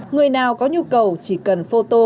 người nào có nhu cầu chỉ cần phô tô